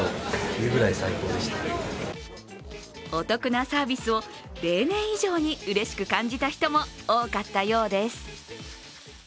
お得なサービスを例年以上にうれしく感じた人も多かったようです。